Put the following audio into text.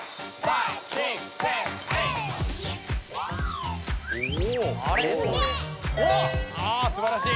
あすばらしい。